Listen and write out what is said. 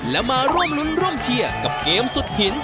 และมาร่วมรุ้นร่วมเชียร์กับเกมสุดหิน